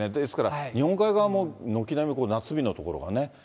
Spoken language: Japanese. ですから、日本海側も軒並み夏日の所がね。